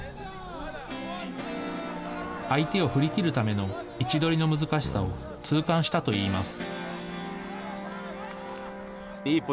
相手を振り切るための位置取りの難しさを痛感したといいます。